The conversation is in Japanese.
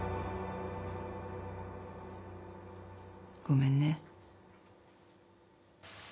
ごめんね。